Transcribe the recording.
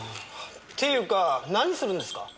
っていうか何するんですか？